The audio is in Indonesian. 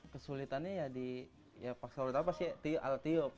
kesulitannya ya di ya pasal alat apa sih alat tiup